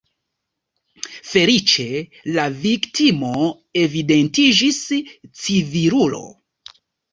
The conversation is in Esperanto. Feliĉe, la viktimo evidentiĝis civilulo.